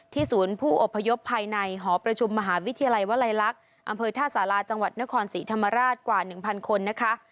ศูนย์ผู้อบพยพภายในหอประชุมมหาวิทยาลัยวลัยลักษณ์อำเภอท่าสาราจังหวัดนครศรีธรรมราชกว่า๑๐๐คนนะคะ